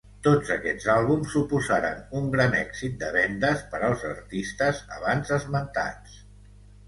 Tots aquests àlbums suposaren un gran èxit de vendes per als artistes abans esmentats.